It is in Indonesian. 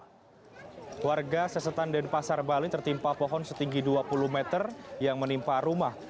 warga sesetan denpasar bali tertimpa pohon setinggi dua puluh meter yang menimpa rumah